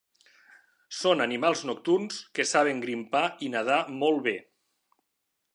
Són animals nocturns que saben grimpar i nadar molt bé.